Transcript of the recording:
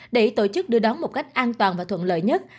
để tổ chức đưa đón một cách an toàn và thuận lợi nhất